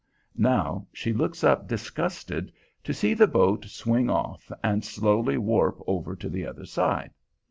Now she looks up disgusted, to see the boat swing off and slowly warp over to the other side.